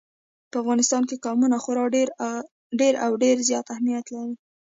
په افغانستان کې قومونه خورا ډېر او ډېر زیات اهمیت لري.